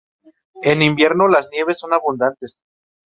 En invierno las nieves son abundantes.